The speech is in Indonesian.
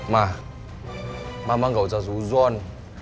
ma mama gak usah zuzon